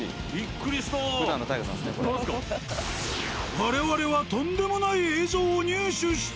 我々はとんでもない映像を入手した。